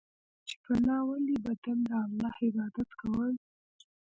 چې په ناولي بدن د الله عبادت کوم.